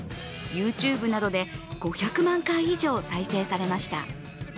ＹｏｕＴｕｂｅなどで５００万回以上再生されました。